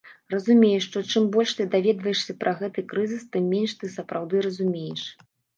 Разумееш, што чым больш ты даведваешся пра гэты крызіс, тым менш ты сапраўды разумееш.